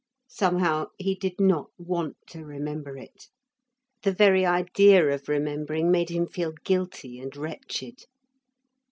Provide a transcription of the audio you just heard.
Somehow he did not want to remember it. The very idea of remembering made him feel guilty and wretched.